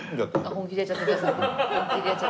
本気でやっちゃってください。